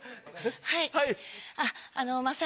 はい。